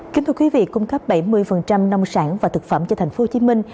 kính thưa quý vị cung cấp bảy mươi nông sản và thực phẩm cho thành phố hồ chí minh